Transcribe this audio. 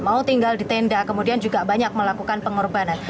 mau tinggal di tenda kemudian juga banyak melakukan pengorbanan